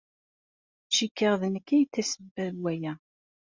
Cikkeɣ d nekk ay d tasebba n waya.